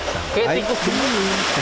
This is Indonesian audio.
sampai tengku punggung